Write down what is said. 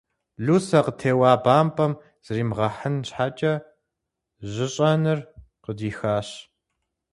Лусэ, къытеуа бампӀэм зримыгъэхьын щхьэкӀэ, жьыщӀэныр къыдихащ.